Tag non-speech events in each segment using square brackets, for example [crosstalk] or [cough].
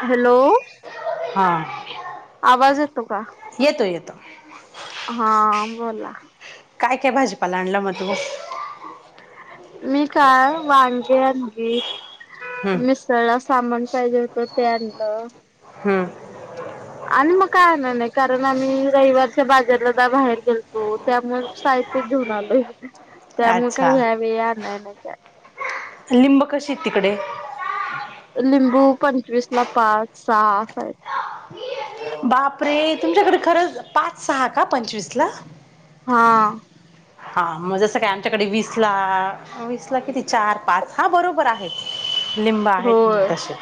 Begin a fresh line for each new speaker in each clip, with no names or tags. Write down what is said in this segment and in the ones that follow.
Hello
हा
आवाज येतो का?
येतो येतो
हाम बोला
काय काय भाजीपाला आणलं मग तु?
मी काय वांगे आणलीत
हम्म,
मिसळ ला सामान पाहिजे होत ते आणलं.
हम्म
आणि मग काय आणणार नाही कारण आम्ही रविवारच्या बाजारला दा बाहेर गेलतो त्यामुळे सा हित्य घेऊन आलोय त्यामुळे काही
अच्छा
या वेळी आणाय नाही. काय
लिंब कशी आहेत तिकडे?
लिंबू पंचवीस ला पाच सहा असा आहेत.
बापरे तुमच्याकडे खरंच पाच सहा का पंचवीस ला?
हां.
हां मग जसं काय आमच्याकडे वीस ला वीस ला किती चार पाच हां बरोबर आहेत. लिंब मग
होय
तसे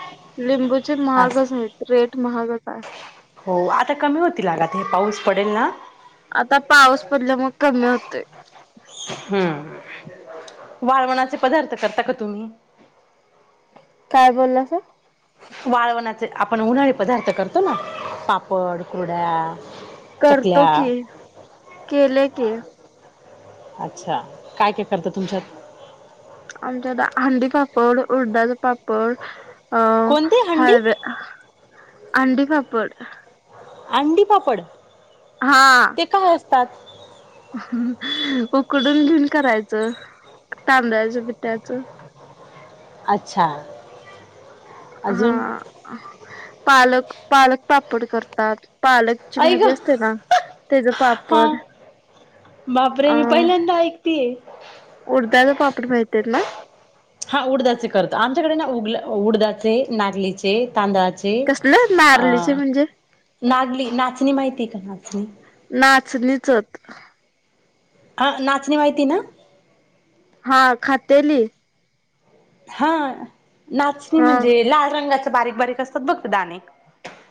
लिंबूचे
असं
महागच आहेत रेट महागच आहे.
हो आता कमी होतील अग ते पाऊस पडेल ना
आता पाऊस पडला मग कमी होतय.
हम्म वाळवणाचे पदार्थ करता का तुम्ही?
काय बोललासा?
वाळवणाचे आपण उन्हाळे पदार्थ करतो ना पापड, कुरड्या
करतो
चकल्या
की, केले की.
अच्छा काय काय करता तुमच्यात?
आमच्यात आंडी पापड उडडाचा पाप पड अ
कोणते हंडी
हळव्या अंडीपापड.
अंडीपापड?
हां
सात
उकडून घेऊन करायचं. तांदळाच्या पिठाचं.
अच्छा. अजून
हां पालक पालक पापड करतात. पालकची
ऐक
भाजी असते ना त्याच
हा
पापड.
बापरे
अ
मी पहिल्यांदा ऐकतीये.
उडदाच पापड माहितेत ना
हां उडदाचे करतो आमच्याकडे ना उ उडदाचे नागलीचे तांदळा चे
कसलं
अ
नारलीचे म्हणजे
नागली नाचणी माहिती आहे का नाचणी?
नाचणी चत
हां नाचणी माहिती ना?
हां खातेली?
हां नाचणी
हा
म्हणजे लाल रंगाच बारीक बारीक असतात बघ दाणे.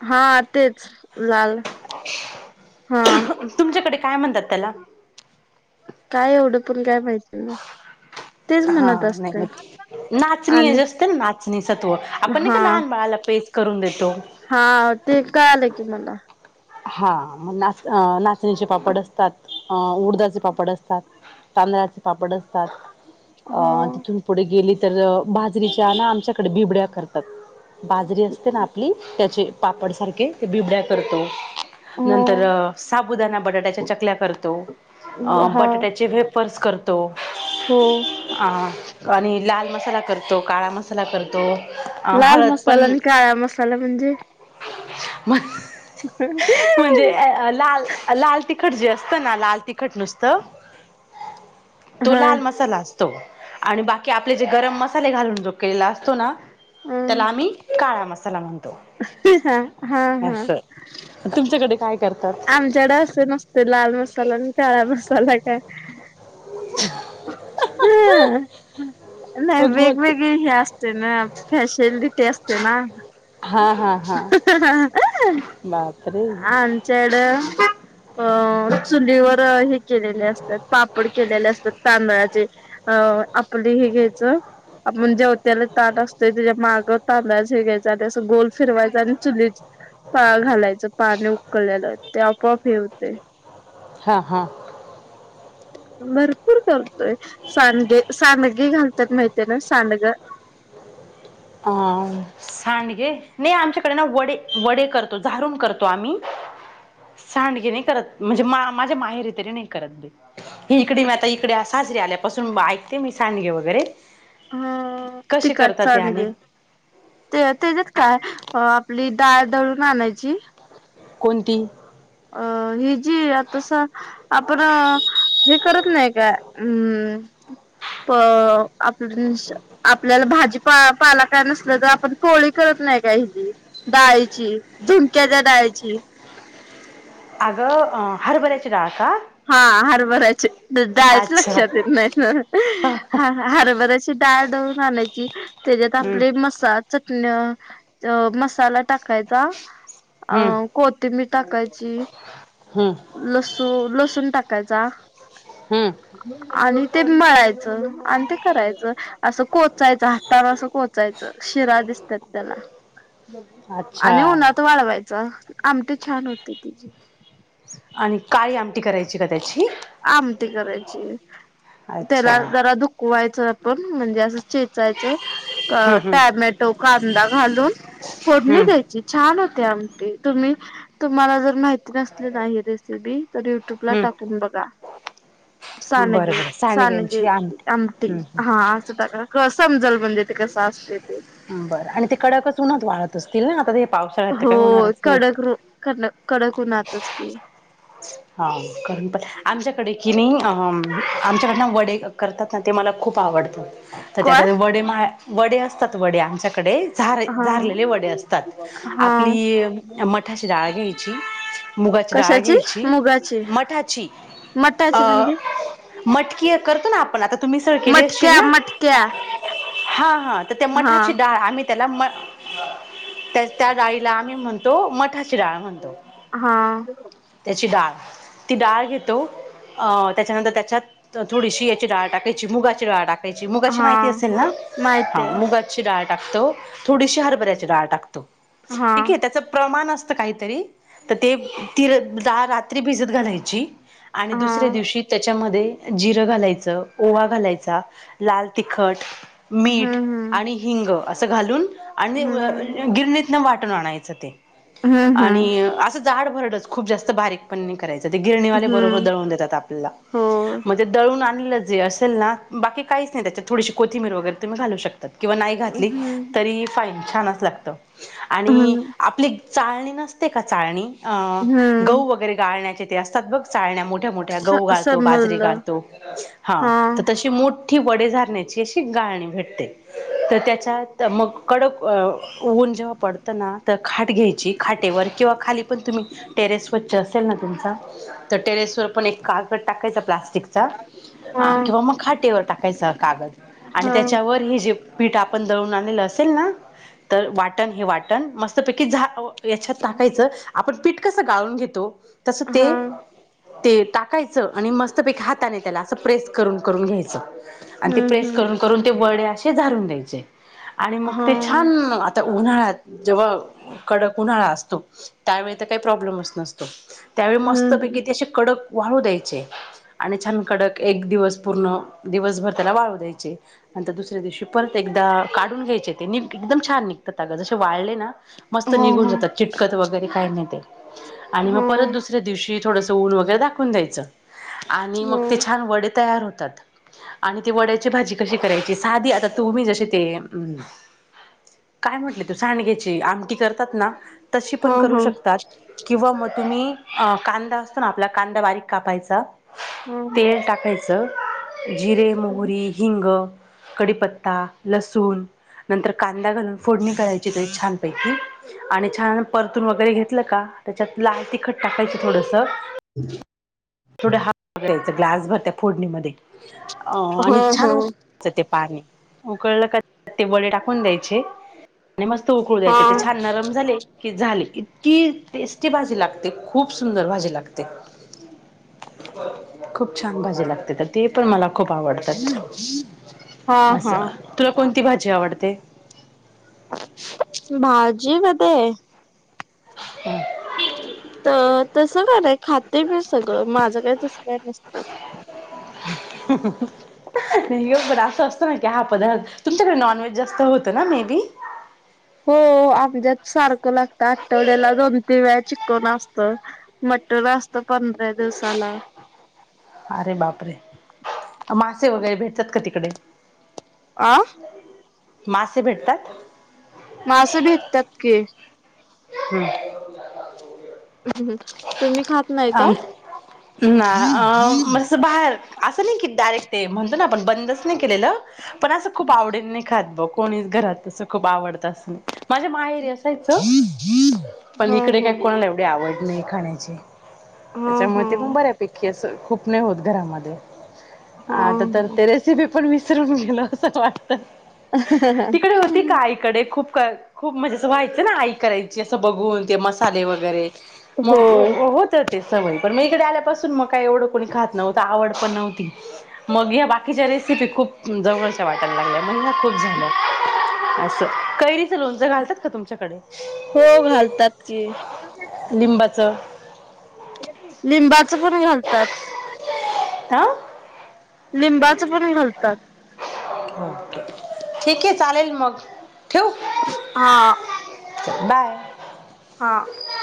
हां तेच झाल.
तुमच्याकडे काय म्हणतात त्याला?
काय एवढं पण काय माहिती नाही तेच
हां
म्हणत
नाही
असते
म नाचणी
आणि
असत ना नाचणी सत्व आपण नाही का लहान बाळाला पेज करून देतो
हां ते कळालं की मला.
हां मग नाच अ नाचणीचे पापड असतात. अ उडदाचे पापड असतात तांदळाचे पापड असतात
हो
तिथून पुढे गेली तर बाजरीच्या ना आमच्याकडे बिबड्या करतात बाजरी असते ना आपली त्याचे पापडसारखे ते बिबड्या करतो. नंतर
हो
साबुदाणा बटाट्याच्या चकल्या करतो
हा
बटाट्याचे व्हेपर्स करतो.
हो
अ आणि लाल मसाला करतो काळा मसाला करतो.
लाल
हळद
मसाला
पण
आणि काळा मसाला म्हणजे?
मग म्हणजे लाल लाल त तिखट जे असतं ना लाल तिखट नुसतं तो
हा
लाल मसाला असतो. आणि बाकी आपले जे गरम मसाले घालून जो केलेला असतो ना. त्याला आम्ही काळा मसाला म्हणतो.
हा हा हा
असं तुमच्याकडे काय? करतात
आमच्याकड असे नसते लाल मसाला आणि काळा मसाला काय हम् नाही
बघ बघ
वेगवेगळी हे असते ना फॅशनची टेस्ट. [inaudible]
बा
आमच्याकडे अ चुलीवर हे केलेले असतात पापड केलेले असतात तांदळाचे अ आपल हे घ्यायचं आपण जेव [unintelligible] त्याला ताट असतोय त्याच्या माग तांदळाचे असतो गोल फिरवायच आणि चुली घालायचं. पाणी उकळलेलं ते आपोआप हे होतंय.
हा हा
भरपूर करतोय सांडगे सांडगे घालतात माहितीय ना सांडगं. [inaudible]
अ सांडगे नाही आमच्याकडे ना वडे वडे करतो झाारूून करतो आम्ही.
[inaudible]
सांडगे नाही करत म्हणजे मा माझ्या माहेरी तरी नाही करत बाई. ही इकडे मी आता इकडे सासरी आल्या पासून ऐकते मी सांडगे वगैरे
हा
कसे
तिकट
करतात ते आणि
सांडगे ते त्याच्यात काय आपली डाळ दळून आणायची
कोणती?
अ ही जी आ तस आपण हे करत नाही काय हम्. प आपल्याला भाजी पालक नसल तर आपण पोळी करत नाही का ह डाळीची झुमक्याच्या डाळीची [inaudible]
अगं अ हरभऱ्याची डाळ का
हा हरभराचे जायच
अच्छा
लक्षात येत नाही
ह,
हरभराचे डाळ दळून आणायची त्याच्यात
हम्म,
आपली मसा [unintelligible] चटणी मसाला टाकायचा अ
हम्म,
कोथिंबीर टाकायची
हम्म,
लसुन टाकायचा
हम्म.
आणि ते मळायचं आणि ते करायचं. असं कोचायचं हाताला असं कोचायचं शिरा दिसतात त्याला
अच्छा
आणि उन्हात वाढवायचं आमटी छान होती तिची
आणि काळी आमटी करायची का त्याची?
आमटी करायची
अच्छा
त्याला जरा दुख व्हायचं. पण म्हणजे असं चेचायचं अ
हम्म, हम्म,
टॅमॅटो कांदा घालून फोडणी
हम्म,
द्यायची छान हो [unintelligible] आमटी तुम्ही तुम्हाला जर माहि नसलेच आहे रेसिपी तर यु ट्यू बला
हम्म.
टाकून बघा.
बरं
सानगे
बरं
सानगे
सांडग्यांची
आमटी
हम्म,
हा असं टाका समजल म्हणजे ते कसं असते ते
बरं आणि ते कडकच उन्हात वाळत असतील ना आता ते. पावसाळ्यात तर
हो
काही होणारच नाही
कडक क कडक उन्हातच
हा कर पण आमच्याकडे कि नाही आमच्याकडनं वडे करतात ना ते मला खूप आवडतं तर त्यात
काय?
वडे मा- वडे असतात वडे आमच्या कडे झार
हा
झारलेले वडे असतात
हा
आपली मठाची डाळ घ्यायची. मुगाची डाळ
कशाची
घ्यायची
मुगाची
मठाची अ
मटाची म्हणजे
मटकी करतो ना आपण आता तुम्ही सळ केली असशील
मटक्या
ना?
मटक्या
हा हा तर त्या
हा
मठाची डाळ आम्ही त्याला म त्याचं त्या डाळीला आम्ही म्हणतो मठाची डाळ
हा
ची डाल ती डाळ घेतो अ त्याच्यानंतर त्याच्यात थोडीशी याची डाळ टाकायची मुगाची डाळ टाक मुगाची
हा
माहिती असेल ना
माहित
हा
आहे
मुगाची डाळ टाकतो. थोडीशी हरभऱ्याची डाळ टाकतो
हा
ठीके त्याच प्रमाण अस काहीतरी तर ते ती रात्री भिजत घालायची. आणि
हा
दुसऱ्या दिवशी त्याच्या त्यामध्ये जिरं घालायचं ओवा घालायचा लाल तिखट मीठ
हम्म
आणि हिंग असं घालून आणि
हम्म
गिरणीतन वा आणायचं ते
हम्म हम्म हम्म
अस जाड भरड खूप जास्त बारीक पण नाई ते गिरणीवाले बरोबर
हम्म
दळून देतात आपल्याला
हो
मग दळून आणल ते असेल ना बाकी काहीच नाय त्याच्यात थोडीशी कोथिंबीर वगैरे तुम्ही घालू शक किंवा नाही घातली
हम्म
तरी फाईन छानच लागत आणि
हम्म
आपली चाळणी नसते का चाळणी
हम्म
गहू वगैरे गाळण्याचे ते असतात बघ चाळण्यामुळे- मोठ्या मोठ्या
स
गहू गालतो बाजरी
समजलं
गालतो हा तर तशी मोठ वडे झाारण्याची अशी गाळणी भेटते तर त्याच्यात मग कडक व अ उ जेव्हा पडत ना त खाट घ्यायची खाटेवर किंवा खाली पण तुम्ही टेरेस स्वच्छ असेल ना तुमचा तर टेरेस वर पण एक कागद टाकायच प्लास्टिक-
हा
[unintelligible] किंवा मग खाटेवर टाकायचा कागद आणि
हा
त्याच्यावर हे जे पीठ आप पण दळून आणलेलं असेल ना तर वाटण हे वाटण मस्तपैकी झा याच्यात टाकायचं आपण पीठ कस गाळून घेतो तस ते
हा
ते टाकायचं आणि मस्तपैकी हाताने त्याला असं प्रेस करून करून घ्यायचं. आणि ते
हम्म
प्रेस
हम्म
करून करून ते वडे असे झाारून द्यायचे आणि मग ते
हा
छान आता उन्हाळयात जेव्हा कडक उन्हाळा असतो त्यावेळी तर काही प्रॉब्लेमच नसतो. त्यावेळी
हा
मस्तपैकी ते असे कडक वाळू द्यायचे आणि छान कडक एक दिवस पूर्ण दिवसभर त्याला वाळू द्यायचे. नंतर दुसऱ्या दिवशी परत एकदा काढून घ्यायचे ते निघ एकदम छान निघतात अग जसे वाळले ना मस्त
हा
निघून
हा
जातात चिटकत वगैरे काही नाय ते आणि मग
हा
परत दुसऱ्या दिवशी थोडस ऊन वगैरे दाखवून द्यायचं आणि मग ते छान वडे तयार होत तात आणि ती वड्याची भाजी कशी करायची साधी आता तुम्ही जशी ते काय म्हटले तू सांडग्याची आमटी करतात ना तशी
हा हा
पण करू
हा
शकतात किंवा मग तुम्ही- अं कांदा असतो ना आपला कांदा बारीक कापायचा
हो
तेल टाकायचं. जिरे मोहरी, हिंग, कडीपत्ता, लसूण- नंतर कांदा घालून फोडणी करायची त्याची छानपैकी आणि छान परतून वगैरे घेत का त्याच्यात लाल तिखट टाकायच थोडंसं थोडं [unintelligible] ग्लास भर त्या फोडणीमध्ये अ आणि छान
हो
उकयच ते पाणी उकळलं क ते वडे टाकून द्यायचे. आणि मस्त उकळू
हा
द्यायचे ते छान नरम झाले की झाले की की टेस्टी भाजी लागते खूप सुंदर भाजी लागते. खूप छान भाजी लागते तर ते पण मला खूप आवडतात
हा हा
असं तुला कोणती भाजी आवडते?
भाजी मध्ये, हो. तर तस काय नाही खाते मी सगळं माझं काय तसं काय नसतं.
नाही हो बरा. हा पदार्थ तुमच्याकडे नॉनव्हेज जास्त होत ना मे बी.
हो आपल्यात सारखं लागत आठवड्याला दोनती मॅच असत मटर अ पंधरा दिवसाला,
अरे बापरे मासे वगैरे भेटतात का तिकडे?
आह.
मासे भेटतात.
मासें भेटतात की.
हम्म!
तुम्ही खात नाही का?
ना म बाहेर असं नाही कि डायरेक्ट ते म्हणतो ना. पण बंदच नाही केलेलं पण असं खूप आवडेल नाही खात ब कोणी घरात तस खूप आवडत. माझ्या माहेरी असायचं पण
हा
इकडे
हा
काही कोणाला एवढे आवड नाही. खाण्या
हा
त्याच्यामुळे
हा
ते पण बऱ्यापैकी अस खूप नाही होत घरामध्ये.
हा
आता तर
हा
ते रेसिपी पण विसरून गेलो असं वाट.
हा
तिकडे होती का इकडे खूप. खू खूप मजे असं व्हायचं ना आई करायची असं बघून ते मसाले वगैरे. मग
होय
होत ते. पण मग इकडे आल्यापासून मग का एवढं कोणी खात नव्हतं आवड पण नव्हती मग या बाकीच्या रसिी खूप जवळश वाटयला लाग. महिना खूप झाल अस. कैरीच लोणचं घालतात का तुमच्याकडे?
हो घालतात कि.
[inaudible]
लिंबाच पण घालतात.
आा.
लिंबाच पण घालतात.
ओके ठीक आहे चालेल मग ठेव.
हा.
बाय.
हा.